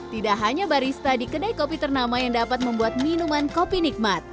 tidak hanya barista di kedai kopi ternama yang dapat membuat minuman kopi nikmat